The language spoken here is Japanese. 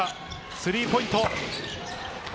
スリーポイント。